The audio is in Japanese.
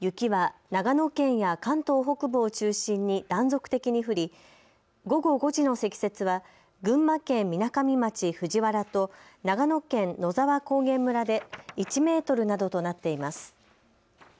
雪は長野県や関東北部を中心に断続的に降り午後５時の積雪は群馬県みなかみ町藤原と長野県野沢高原村で１メートルなどとなっています。